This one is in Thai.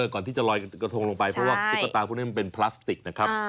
ก่อนที่จะลอยกระทงลงไปเพราะว่าตุ๊กตาพวกนี้มันเป็นพลาสติกนะครับ